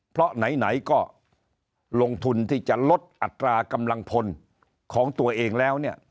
เพราะไหนก็ลงทุนที่จะลดอัตรากำลังพลของตัวเองแล้วเนี่ย